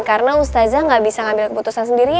karena ustazah gak bisa ngambil keputusan sendirian ya